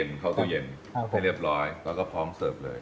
อันนี้จะเป็นมิโซผสมน้ำส้มน้ำตาลน้ำงาแต่ว่ามันจะเหนียว